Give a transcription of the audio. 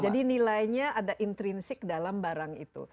jadi nilainya ada intrinsik dalam barang itu